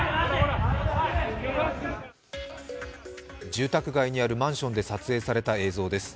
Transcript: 住宅街にあるマンションで撮影された映像です。